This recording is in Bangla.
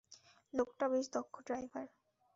লোকটা বেশ দক্ষ ড্রাইভার।